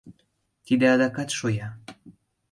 Тиде адакат шоя.